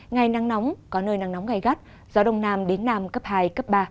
ngày nắng nóng có nơi nắng nóng gai gắt gió đông nam đến nam cấp hai cấp ba